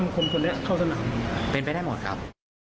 ครั้งหมดครับ